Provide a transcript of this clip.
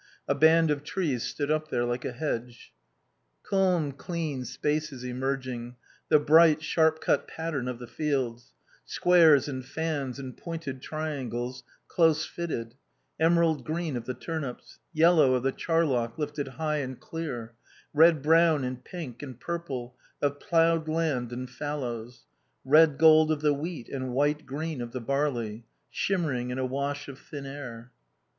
A band of trees stood up there like a hedge. Calm, clean spaces emerging, the bright, sharp cut pattern of the fields; squares and fans and pointed triangles, close fitted; emerald green of the turnips; yellow of the charlock lifted high and clear; red brown and pink and purple of ploughed land and fallows; red gold of the wheat and white green of the barley; shimmering in a wash of thin air.